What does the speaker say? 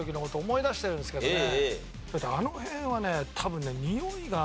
あの辺はね多分ね。